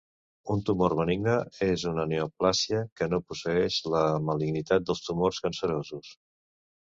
Un tumor benigne és una neoplàsia que no posseeix la malignitat dels tumors cancerosos.